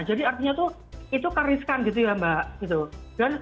jadi artinya itu keriskan gitu ya mbak